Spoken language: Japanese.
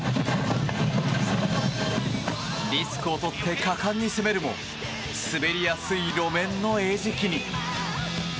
リスクをとって果敢に攻めるも滑りやすい路面の餌食に。